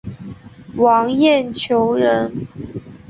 王晏球人。